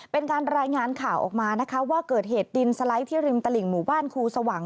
เป็นการรายงานข่าวออกมานะคะว่าเกิดเหตุดินสไลด์ที่ริมตลิ่งหมู่บ้านครูสว่าง